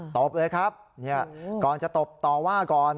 ตบเลยครับก่อนจะตบต่อว่าก่อน